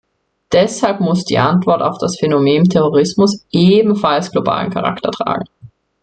Deshalb muss die Antwort auf das Phänomen Terrorismus ebenfalls globalen Charakter tragen.